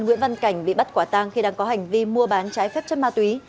nguyễn văn cảnh bị bắt quả tang khi đang có hành vi mua bán trái phép chất ma túy